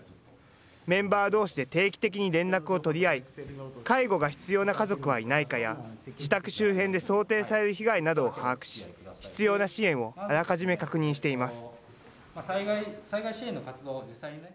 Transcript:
メンバーどうしで定期的に連絡を取り合い、介護が必要な家族はいないかや、自宅周辺で想定される被害などを把握し、必要な支援をあらかじめ確認しています。